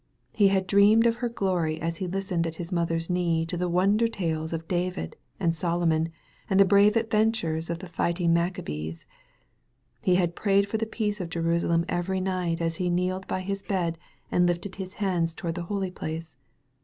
He had dreamed of her glory as he listened at his mother's knee to the wonder tales of David and Solomon and the brave adventures of the fight ing Maccabees. He had prayed for the peace of Jerusalem every night as he kneeled by his bed and lifted hb hands toward the holy place.